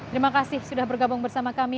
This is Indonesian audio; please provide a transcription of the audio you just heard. terima kasih sudah bergabung bersama kami